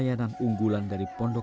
jadi aku pessoal yang berjaaya